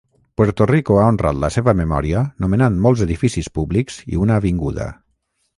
Puerto Rico ha honrat la seva memòria nomenant molts edificis públics i una avinguda.